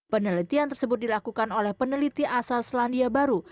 penelitian tersebut dilakukan oleh peneliti asal selandia baru